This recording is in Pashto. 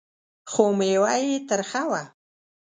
خو مېوه یې ترخه ده .